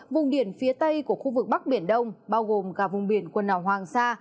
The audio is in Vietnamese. vùng biển phía tây của khu vực bắc biển đông bao gồm cả vùng biển quần đảo hoàng sa